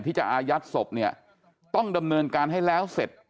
ที่จะอายัดศพเนี่ยต้องดำเนินการให้แล้วเสร็จ